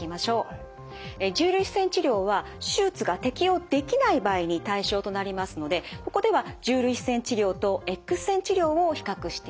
重粒子線治療は手術が適応できない場合に対象となりますのでここでは重粒子線治療とＸ線治療を比較していきます。